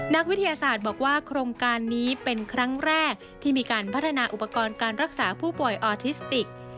นักวิทยาศาสตร์บอกว่าโครงการนี้เป็นครั้งแรกที่มีการพัฒนาอุปกรณ์การรักษาผู้ป่วยออทิสติก